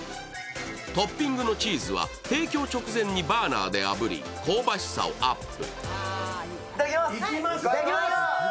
トッピングのチーズは提供直前にバーナーであぶり、香ばしさをアップ。